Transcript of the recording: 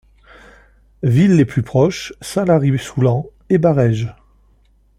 Villes les plus proches Saint-Lary-Soulan et Barèges.